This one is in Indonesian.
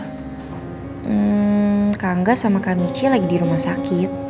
kak angga sama kak michi lagi di rumah sakit